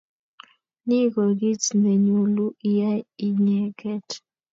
Ni ko kit ne nyolu iyai inyeket.